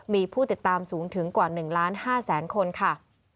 มีผู้ติดตามสูงถึงกว่า๑ล้าน๕แสนคนค่ะ